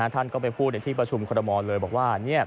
ท่านก็ไปพูดในที่ประชุมคอรมอลเลยบอกว่า